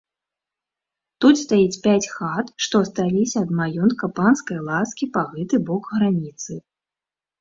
Тут стаіць пяць хат, што асталіся ад маёнтка панскай ласкі па гэты бок граніцы.